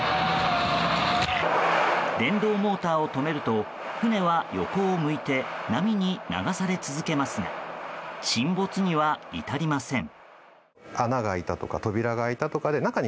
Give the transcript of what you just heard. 電動モーターを止めると船は横を向いて波に流され続けますが沈没には至りません。